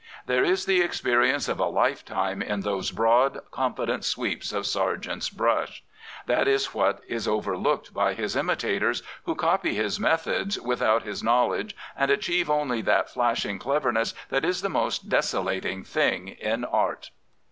There is the experience of a lifetime in those broad, confident sweeps of Sargent's brush. That is what is over looked by his imitators, who copy his methods with out his knowledge and achieve only that flashy cleverness that is the most desolating thing in art.